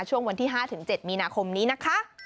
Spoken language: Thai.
ช่วงวันที่๕๗มีนาคมนี้นะคะ